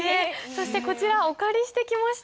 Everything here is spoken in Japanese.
そしてこちらお借りしてきました。